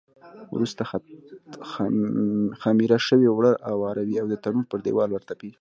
وروسته خمېره شوي اوړه اواروي او د تنور پر دېوال ورتپي.